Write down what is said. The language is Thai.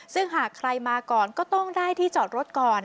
ซึ่งหากใครมาก่อนก็ต้องได้ที่จอดรถก่อน